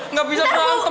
nggak bisa berantem